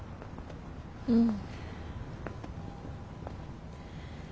うん。